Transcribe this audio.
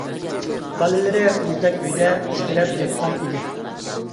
باللىرى مۇزدەك ئۆيدە تىترەپ ياتقان ئىدى.